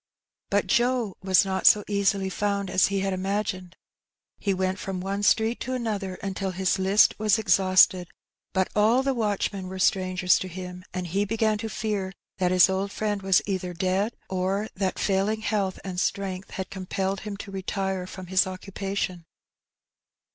Bat Joe was not so easily found as he had imagined. He went from one street to another until his list was exhausted; but all the watch men were strangers to him, and he began to fear that his old friend was either dead, or that failing health and strength had compelled him to retire from his occupation.